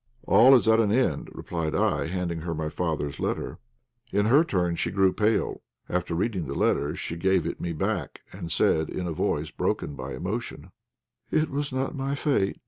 "All is at an end," replied I, handing her my father's letter. In her turn she grew pale. After reading the letter she gave it me back, and said, in a voice broken by emotion "It was not my fate.